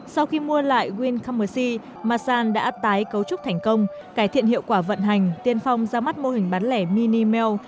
sau khi mua lại wincommerce masan đã tái cấu trúc thành công cải thiện hiệu quả vận hành tiên phong ra mắt mô hình bán lẻ mini mail